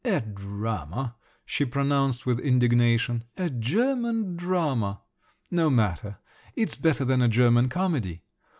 "A drama!" she pronounced with indignation, "a German drama. No matter; it's better than a German comedy.